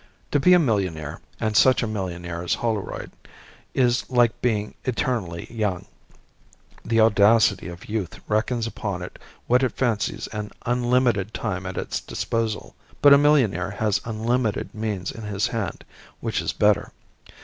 To be a millionaire, and such a millionaire as Holroyd, is like being eternally young. The audacity of youth reckons upon what it fancies an unlimited time at its disposal; but a millionaire has unlimited means in his hand which is better.